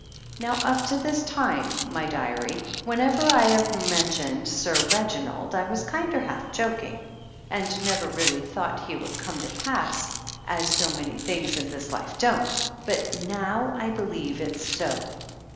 Now, up to this time, my diary, whenever I have mentioned Sir Reginald I was kinder half joking, and never really thought he would come to pass, as so many things in this life don't ; but now I believe it's so.